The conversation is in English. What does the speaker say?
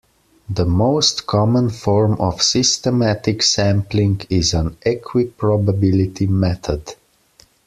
The most common form of systematic sampling is an equiprobability method.